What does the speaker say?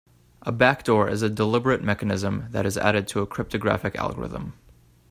A backdoor is a deliberate mechanism that is added to a cryptographic algorithm.